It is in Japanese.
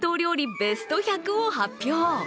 ベスト１００を発表。